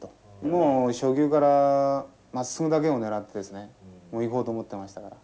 もう初球からまっすくだけを狙ってですねいこうと思ってましたから。